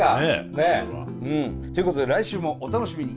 ねえ。ということで来週もお楽しみに。